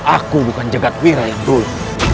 aku bukan jagadwira yang dulu